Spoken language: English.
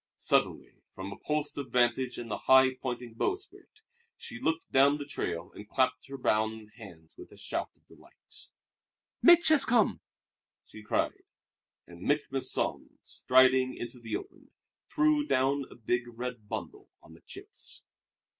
Suddenly, from a post of vantage in the high pointing bowsprit, she looked down the trail and clapped her brown hands with a shout of delight. "Mich' has come!" she cried. And Mich' Masson, striding into the open, threw down a big red bundle on the chips.